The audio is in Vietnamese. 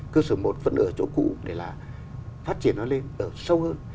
cơ sở một vẫn ở chỗ cũ để là phát triển nó lên ở sâu hơn